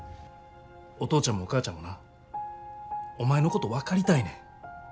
お父ちゃんもお母ちゃんもなお前のこと分かりたいねん。